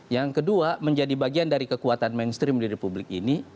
yang kedua menjadi bagian dari kekuatan mainstream di republik ini